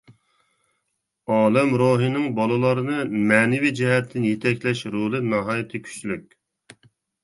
ئالىم روھىنىڭ بالىلارنى مەنىۋى جەھەتتىن يېتەكلەش رولى ناھايىتى كۈچلۈك.